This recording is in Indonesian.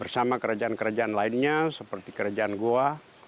sama kerajaan kerajaan lainnya seperti kerajaan gua